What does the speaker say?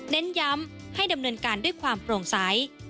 เน้นย้ำให้ดำเนินการด้วยความโปร่งใส